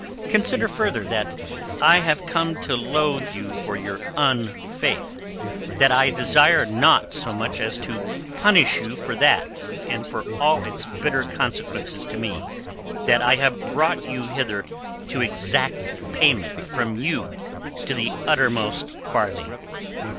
Consider further that I have come to loathe you for your unfaith; that I desire naught so much as to punish you for that and for all its bitter consequences to me that I have brought you hither to exact payment from you to the uttermost farthing.